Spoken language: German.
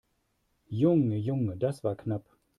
Junge, Junge, das war knapp!